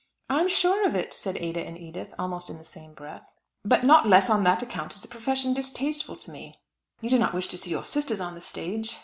"I am sure of it," said Ada and Edith almost in the same breath. "But not less on that account is the profession distasteful to me. You do not wish to see your sisters on the stage?"